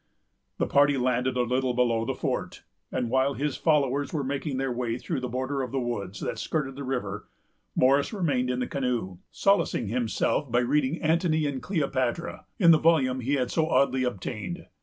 The party landed a little below the fort; and, while his followers were making their way through the border of woods that skirted the river, Morris remained in the canoe, solacing himself by reading Antony and Cleopatra in the volume he had so oddly obtained.